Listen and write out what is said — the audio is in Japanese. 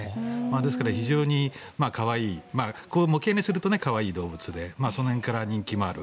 ですから、非常に可愛い模型にすると可愛い動物でその辺から人気もある。